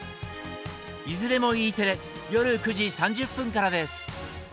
いずれもＥテレ夜９時３０分からです。